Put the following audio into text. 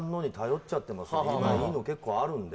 今いいの結構あるので。